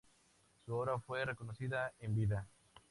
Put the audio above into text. Su obra fue reconocida en vida.